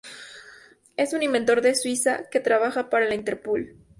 Es un inventor de Suiza que trabaja para la Interpol.